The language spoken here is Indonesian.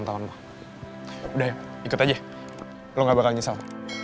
gue gak bakal nyesel